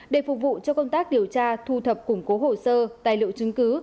để phục vụ cho công tác điều tra thu thập củng cố hồ sơ tài liệu chứng cứ